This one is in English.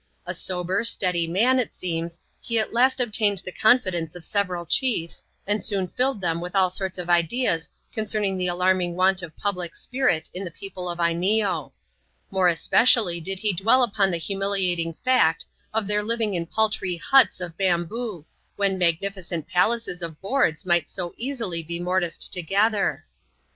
A sober, steady man, it seems, he at last obtained the confidence of several chiefs, and soon filled them with all sorts of ideas concerning the alarming want of public spirit in the people of Lneeo. More especially did he dwell upon the humiliating fact of their living in ^^itrj \iMfc^ ^^ Xswss^r • TI 290 ADVENTURES IN THE SOUTH SEA& [chap* ucxy. boo, when magnificent palaces of boards migbt so easily be morticed together.